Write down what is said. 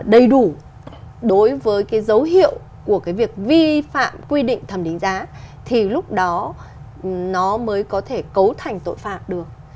đầy đủ đối với cái dấu hiệu của cái việc vi phạm quy định thẩm định giá thì lúc đó nó mới có thể cấu thành tội phạm được